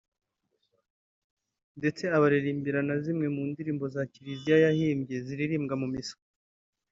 ndetse abaririmbira na zimwe mu ndirimbo za Kiliziya yahimbye ziririmbwa mu Misa